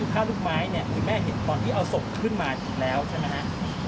ข้าวลูกไม้เนี่ยคุณแม่เห็นตอนที่เอาศพขึ้นมาแล้วใช่ไหมฮะ